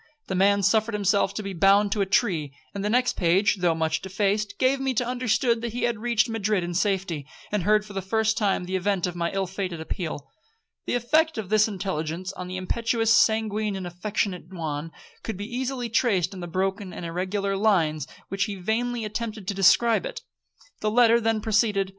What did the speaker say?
The man suffered himself to be bound to a tree; and the next page, though much defaced, gave me to understand he had reached Madrid in safety, and heard for the first time the event of my ill fated appeal. The effect of this intelligence on the impetuous, sanguine, and affectionate Juan, could be easily traced in the broken and irregular lines in which he vainly attempted to describe it. The letter then proceeded.